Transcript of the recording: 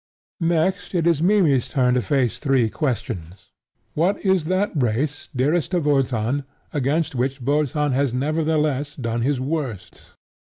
Next, it is Mimmy's turn to face three questions. What is that race, dearest to Wotan, against which Wotan has nevertheless done his worst?